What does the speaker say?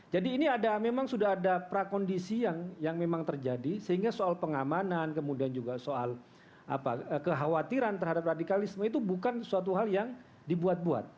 jadi ini ada memang sudah ada prakondisi yang memang terjadi sehingga soal pengamanan kemudian juga soal apa kekhawatiran terhadap radikalisme itu bukan suatu hal yang dibuat buat